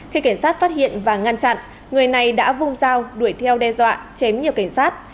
khi cảnh sát phát hiện và ngăn chặn người này đã vung dao đuổi theo đe dọa chém nhiều cảnh sát